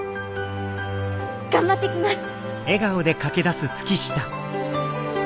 頑張ってきます！